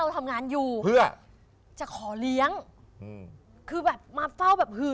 โทรเข้ามา